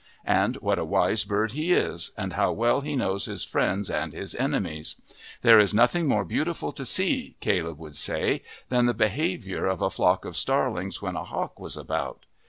And what a wise bird he is, and how well he knows his friends and his enemies! There was nothing more beautiful to see, Caleb would say, than the behaviour of a flock of starlings when a hawk was about.